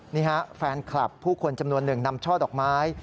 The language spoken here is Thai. นี่ฮะแฟนคลับผู้คนจำนวนหนึ่งนำช่อดอกไม้